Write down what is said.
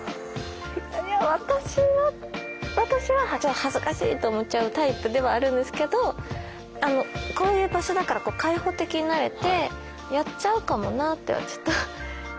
私は私は恥ずかしいと思っちゃうタイプではあるんですけどこういう場所だから開放的になれてやっちゃうかもなってちょっと。